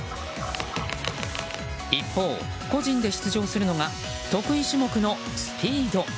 一方、個人で出場するのが得意種目のスピード。